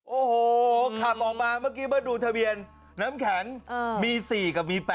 โอ้โหขับออกมาเมื่อกี้เมื่อดูทะเบียนน้ำแข็งมี๔กับมี๘